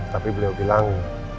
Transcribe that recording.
tapi beliau bilang